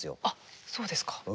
あっそうですか。